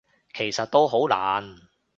其實都好難